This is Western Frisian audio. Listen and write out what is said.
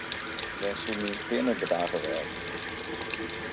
Wêr soe myn pinne bedarre wêze?